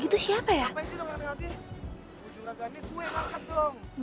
udah cua raga nih gue yang makan dong